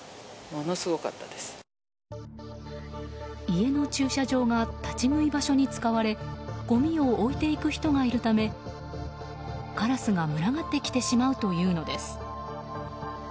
家の駐車場が立ち食い場所に使われごみを置いていく人がいるためカラスが群がってきてしまうというのです。